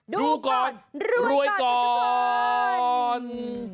ดูก่อนรวยก่อน